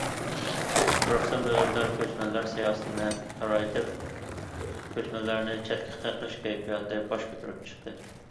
بىر قىسىم دۆلەتلەر كۆچمەنلەر سىياسىتىنى تارايتىپ، كۆچمەنلەرنى چەتكە قېقىش كەيپىياتى باش كۆتۈرۈپ چىقتى.